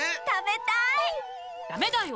ダメだよ。